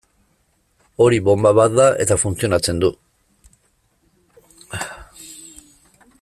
Hori bonba bat da, eta funtzionatzen du.